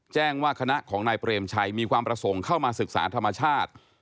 แจ้งว่าคณะของนายเปรมชัยมีความประสงค์เข้ามาศึกษาธรรมชาติ